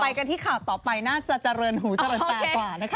กันที่ข่าวต่อไปน่าจะเจริญหูเจริญตากว่านะคะ